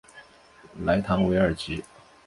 莱唐韦尔吉。